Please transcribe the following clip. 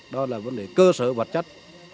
đó là vấn đề cơ sở vật chất